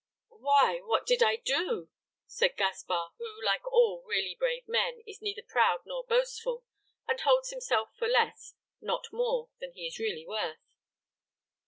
'" "'Why, what did I do?' said Gaspar, who like all really brave men is neither proud nor boastful, and holds himself for less, not more than he is really worth.